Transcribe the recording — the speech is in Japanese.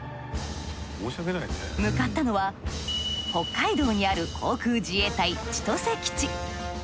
向かったのは北海道にある航空自衛隊千歳基地。